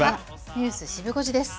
ニュースシブ５時です。